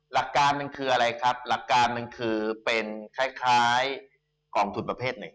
หลักการมันคืออะไรครับหลักการหนึ่งคือเป็นคล้ายกองทุนประเภทหนึ่ง